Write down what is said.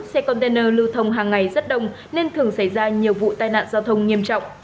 xe container lưu thông hàng ngày rất đông nên thường xảy ra nhiều vụ tai nạn giao thông nghiêm trọng